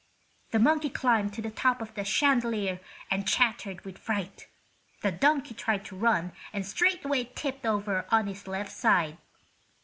The monkey climbed to the top of the chandelier and chattered with fright. The donkey tried to run and straightway tipped over on his left side.